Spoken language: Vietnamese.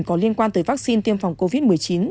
có liên quan tới vaccine tiêm phòng covid một mươi chín